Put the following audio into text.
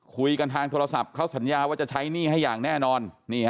คุยกันทางโทรศัพท์เขาสัญญาว่าจะใช้หนี้ให้อย่างแน่นอน